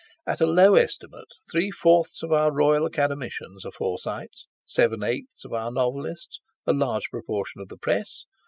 At a low estimate, three fourths of our Royal Academicians are Forsytes, seven eighths of our novelists, a large proportion of the press.